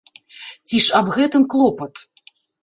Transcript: Ці ж аб гэтым клопат?